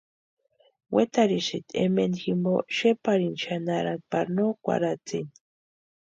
Wetarhisïnti ementa jimpo xeparini xanharani pari no kwarhatsini.